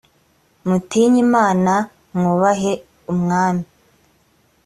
mutinye imana h mwubahe umwami